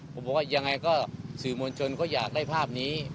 ผมบอกว่ายังไงก็สื่อมวลชนก็อยากได้ภาพนี้